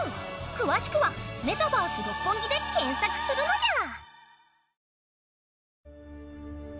詳しくは「メタバース六本木」で検索するのじゃ！